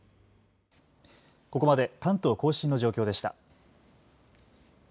ここまで関東甲信の状況でした。